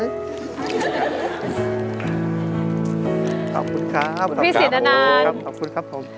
ครับ